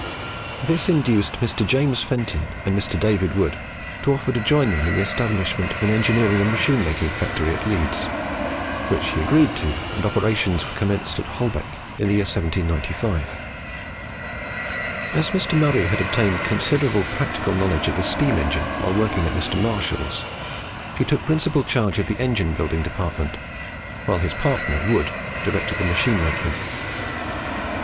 This induced Mr. James Fenton and Mr. David Wood to offer to join him in the establishment of an engineering and machine making factory at Leeds; which he agreed to, and operations were commenced at Holbeck in the year 1795. As Mr. Murray had obtained considerable practical knowledge of the steam engine while working at Mr. Marshall's, he took principal charge of the engine building department, while his partner Wood directed the machine making.